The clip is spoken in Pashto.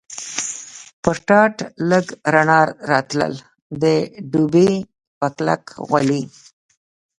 تر ټاټ لږ رڼا راتلل، د ډبې په کلک غولي.